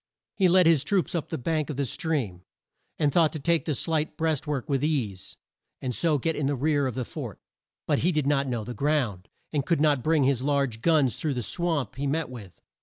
He led his troops up the bank of the stream, and thought to take the slight breast work with ease, and so get in the rear of the fort. But he did not know the ground, and could not bring his large guns through the swamp he met with.